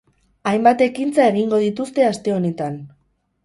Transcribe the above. Hainbat ekintza egingo dituzte aste honetan.